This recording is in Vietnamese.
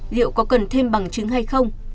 liệu có cần thêm bằng chứng hay không